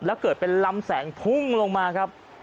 แล้วเกิดเป็นลำแสงพุ่งลงมาครับ